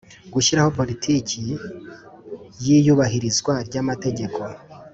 Gushyiraho politiki y iyubahirizwa ry amategeko